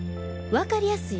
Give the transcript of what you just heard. わかりやすい